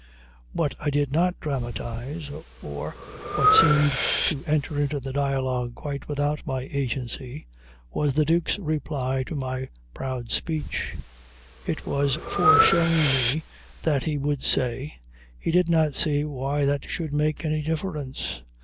What I did not dramatize, or what seemed to enter into the dialogue quite without my agency, was the Duke's reply to my proud speech. It was foreshown me that he would say, He did not see why that should make any difference.